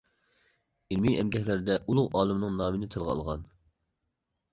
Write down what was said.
ئىلمىي ئەمگەكلىرىدە ئۇلۇغ ئالىمنىڭ نامىنى تىلغا ئالغان.